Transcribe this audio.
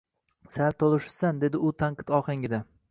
Sal toʻlishibsan, – dedi u tanqid ohangida.